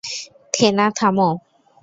থেনা, থামো!